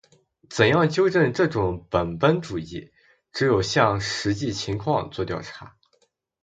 怎样纠正这种本本主义？只有向实际情况作调查。